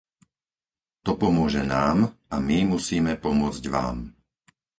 To pomôže nám a my musíme pomôcť vám.